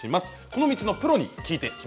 この道のプロに聞いてきました。